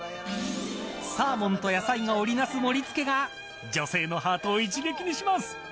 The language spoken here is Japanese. サーモンと野菜が織りなす盛り付けが女性のハートを一撃でしとめます。